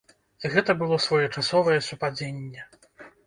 Гэта было своечасовае супадзенне.